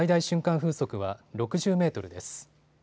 風速は６０メートルです。